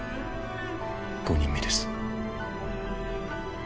５人目です。